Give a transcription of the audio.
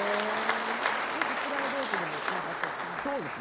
プライベートでも仲がよかったりするんですか。